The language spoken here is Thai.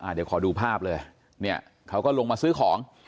เดี๋ยวขอดูภาพเลยเนี่ยเขาก็ลงมาซื้อของ